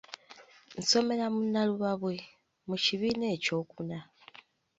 Nsomera mu Nnalubabwe , mu kibiina eky'okuna.